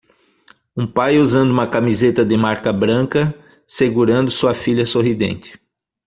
Um pai usando uma camiseta de marca branca segurando sua filha sorridente.